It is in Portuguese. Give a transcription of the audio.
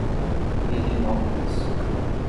Pedrinópolis